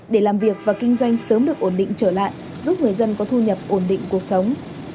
để làm việc và kinh doanh sớm được ổn định trở lại giúp người dân có thu nhập ổn định cuộc sống